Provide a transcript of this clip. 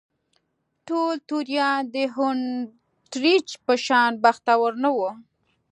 ټول توریان د هونټریج په شان بختور نه وو.